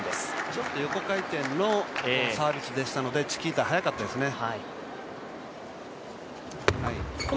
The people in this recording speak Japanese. ちょっと横回転のサービスでしたのでチキータ、速かったですね。